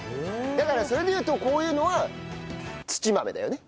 だからそれでいうとこういうのは土豆だよね。